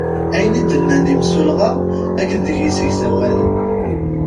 Ayen i d-nnan imsulɣa akked deg isegzawalen.